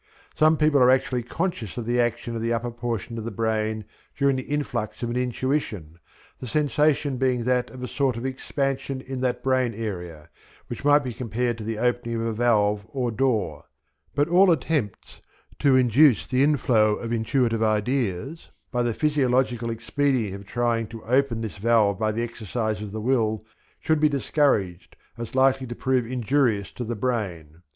Some people are actually conscious of the action of the upper portion of the brain during the influx of an intuition, the sensation being that of a sort of expansion in that brain area, which might be compared to the opening of a valve or door; but all attempts to induce the inflow of intuitive ideas by the physiological expedient of trying to open this valve by the exercise of the will should be discouraged as likely to prove injurious to the brain.